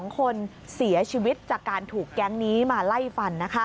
๒คนเสียชีวิตจากการถูกแก๊งนี้มาไล่ฟัน